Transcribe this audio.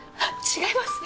違います。